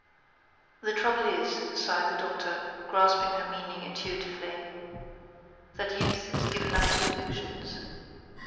"The trouble is," sighed the Doctor, grasping her meaning intuitively, "that youth is given up to illusions.